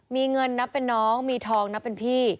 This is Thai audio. มีเงินนับเป็นน้องมีทองนับเป็นพี่